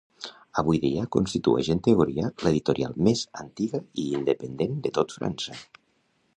Avui dia constitueix en teoria l'editorial més antiga i independent de tot França.